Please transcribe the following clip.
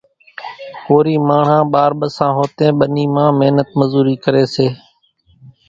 ڪورِي ماڻۿان ٻار ٻسان هوتين ٻنِي مان مينت مزورِي ڪريَ سي۔